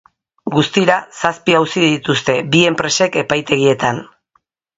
Guztira, zazpi auzi dituzte bi enpresek epaitegietan.